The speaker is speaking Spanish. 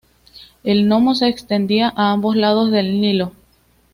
El nomo se extendía a ambos lados del Nilo.